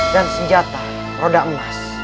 dan senjata roda emas